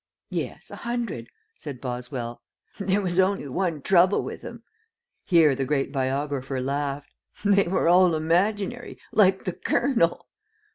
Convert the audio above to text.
"Yes, a hundred," said Boswell. "There was only one trouble with 'em." Here the great biographer laughed. "They were all imaginary, like the colonel."